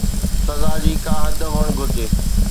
سزا جي ڪا حد هئڻ گهرجي